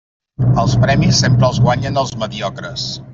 Els premis sempre els guanyen els mediocres.